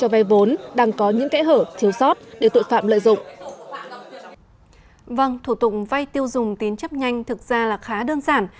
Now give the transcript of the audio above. vâng thủ tục vay tiêu dùng tín chấp nhanh thực ra là khá đơn giản